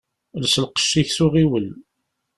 Els lqecc-ik s uɣiwel.